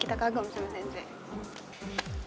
kita kagum sama sensei